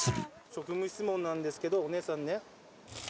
職務質問なんですけどお姉さんね。